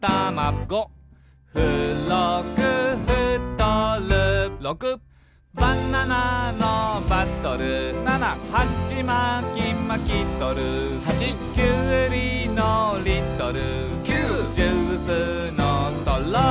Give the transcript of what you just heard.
「ご」「ふろくふとる」「ろく」「バナナのバトル」「ナナ」「はちまきまきとる」「はち」「きゅうりのリトル」「きゅう」「ジュースのストロー」